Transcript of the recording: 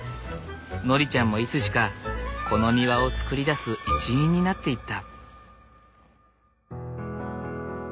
典ちゃんもいつしかこの庭を造り出す一員になっていった。